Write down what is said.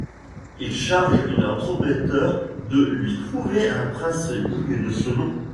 Il charge une entremetteur de lui trouver un prince digne de ce nom.